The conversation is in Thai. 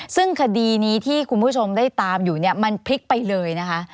ซึ่งคดีนี้ที่คุณผู้ชมได้ตามอยู่เนี่ยมันพลิกไปเลยนะคะ